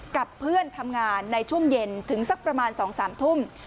กับเพื่อนทำงานในช่วงเย็นถึงสักประมาณ๒๓ทุ่ม